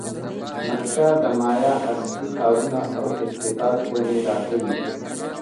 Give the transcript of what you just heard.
نقشه د مایا اصلي ښارونه او ارتباط ونې راښيي